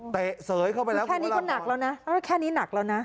เสยเข้าไปแล้วแค่นี้ก็หนักแล้วนะแค่นี้หนักแล้วนะ